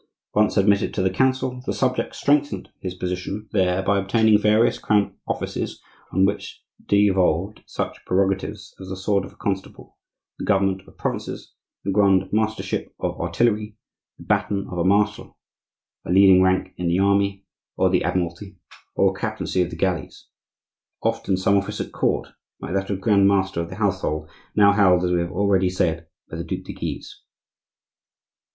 Once admitted to the council, the subject strengthened his position there by obtaining various crown offices on which devolved such prerogatives as the sword of a Constable, the government of provinces, the grand mastership of artillery, the baton of a marshal, a leading rank in the army, or the admiralty, or a captaincy of the galleys, often some office at court, like that of grand master of the household, now held, as we have already said, by the Duc de Guise.